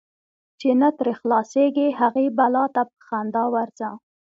چی نه ترې خلاصیږې، هغی بلا ته په خندا ورځه .